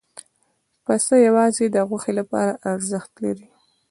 پسه یوازې د غوښې لپاره ارزښت لري.